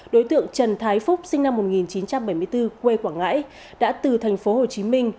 đối tượng trần thái phúc sinh năm một nghìn chín trăm bảy mươi bốn quê quảng ngãi đã từ thành phố hồ chí minh